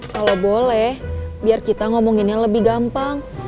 kalo boleh biar kita ngomonginnya lebih gampang